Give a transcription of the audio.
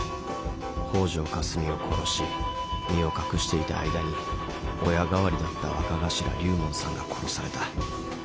北條かすみを殺し身を隠していた間に親代わりだった若頭龍門さんが殺された。